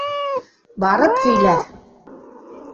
Барып һөйлә!